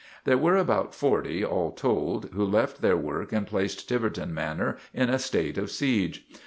There were about forty, all told, who left their work and placed Tiverton Manor in a state of siege.